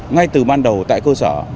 ngay từ ban đầu tại cơ sở